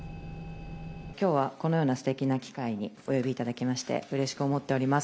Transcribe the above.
きょうは、このようなすてきな機会にお呼びいただきまして、うれしく思っております。